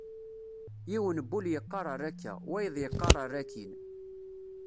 Yiwen n wul yeqqar err akka, wayeḍ yeqqar err akkin.